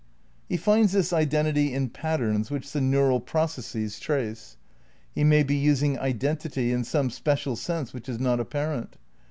He finds this identity in patterns which the neural processes trace. He may be using identity in some special sense which is not apparent.